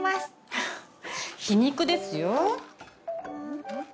ふふっ皮肉ですよ？